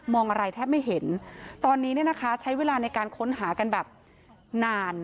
อะไรแทบไม่เห็นตอนนี้เนี่ยนะคะใช้เวลาในการค้นหากันแบบนาน